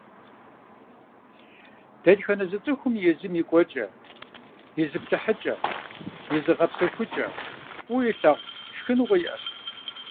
Дэтхэнэ зы цӏыхуми езым и кӏуэкӏэ, и зыплъыхьыкӏэ, и зыгъэпсэхукӏэ, фӏыуэ илъагъу шхыныгъуэ иӏэжщ.